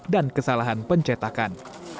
dan kesalahan pencetakan